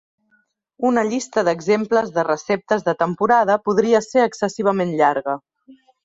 Una llista d'exemples de receptes de temporada podria ser excessivament llarga.